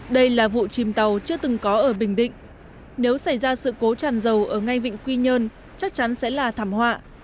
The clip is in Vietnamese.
đây là vụ chìm tàu chưa từng có ở bình định nếu xảy ra sự cố tràn dầu ở ngay vịnh quy nhơn chắc chắn sẽ là thảm họa